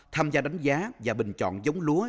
tham gia đánh giá và bình chọn giống lúa